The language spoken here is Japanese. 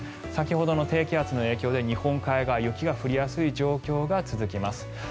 先ほどの低気圧の影響で日本海側は雪が降りやすい状況が続きます。